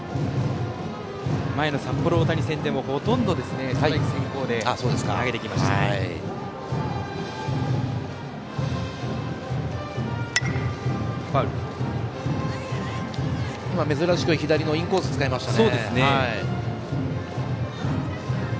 前の札幌大谷戦でもほとんどストライク先行で投げてきました。